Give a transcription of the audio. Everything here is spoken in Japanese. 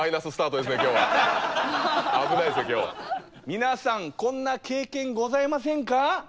皆さんこんな経験ございませんか？